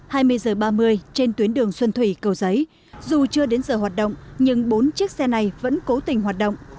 hai mươi h ba mươi trên tuyến đường xuân thủy cầu giấy dù chưa đến giờ hoạt động nhưng bốn chiếc xe này vẫn cố tình hoạt động